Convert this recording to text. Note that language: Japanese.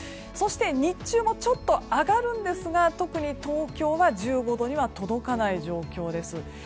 そして、日中もちょっと上がるんですが特に東京は１５度には届かない状況です。